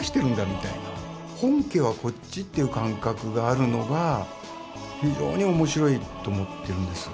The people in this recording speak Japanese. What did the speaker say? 本家はこっちという感覚があるのが非常に面白いと思ってるんです。